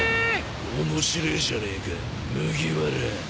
面白えじゃねえか麦わら。